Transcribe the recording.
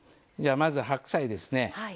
まず白菜ですね。